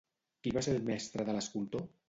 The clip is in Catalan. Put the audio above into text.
Qui va ser el mestre de l'escultor?